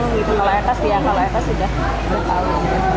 kalau lebaran sudah tahu